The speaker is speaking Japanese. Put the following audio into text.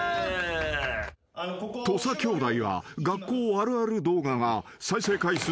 ［土佐兄弟は学校あるある動画が］